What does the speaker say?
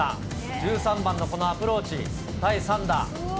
１３番のこのアプローチ、第３打。